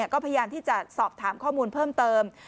ก็พยายามที่จะสอบถามข้อมูลเพิ่มเติม